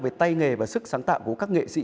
về tay nghề và sức sáng tạo của các nghệ sĩ